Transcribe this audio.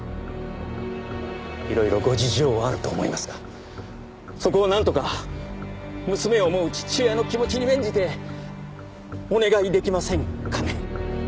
いろいろご事情はあると思いますがそこをなんとか娘を思う父親の気持ちに免じてお願い出来ませんかね？